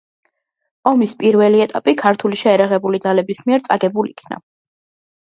ომის პირველი ეტაპი ქართული შეიარაღებული ძალების მიერ წაგებულ იქნა.